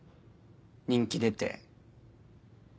人気出て。